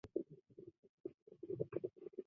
那么真实的情景